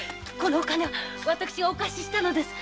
お金は私がお貸ししたのです。